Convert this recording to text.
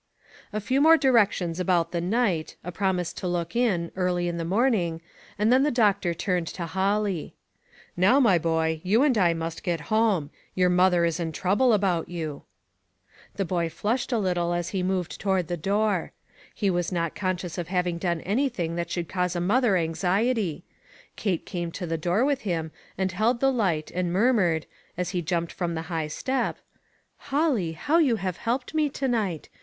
A few more directions about the night, a promise to look in, early in the morning, and then the doctor turned to Holly :" Now, my boy, you and I must get home. Your mother is in trouble about you." • 342 ONE COMMONPLACE DAY. The boy flushed a little as he moved to ward the door. He was not conscious of having done anything that should cause a mother anxiety. Kate came to the door with him, and held the light, and murmured, as he jumped from the high step :" Holly, how you have helped me to night